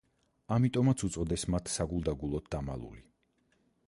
ამიტომაც უწოდეს მათ „საგულდაგულოდ დამალული“.